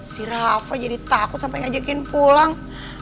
si rafa jadi takut sampai ngajakin pulang